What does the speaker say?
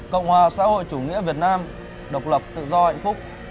cộng hòa xã hội chủ nghĩa việt nam độc lập tự do hạnh phúc